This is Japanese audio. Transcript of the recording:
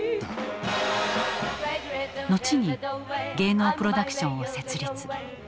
後に芸能プロダクションを設立。